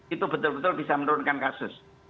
itu betul betul bisa menurunkan kasus